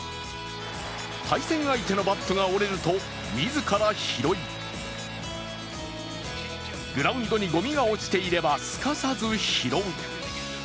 対戦相手のバットが折れると自ら拾い、グラウンドにごみが落ちていればすかさず拾う。